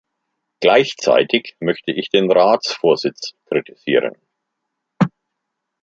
Gleichzeitig möchte ich den Ratsvorsitz kritisieren.